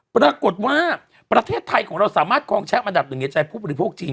ปรากฏว่าประเทศไทยของเราสามารถกองแชมป์อันดับหนึ่งในใจผู้บริโภคจริง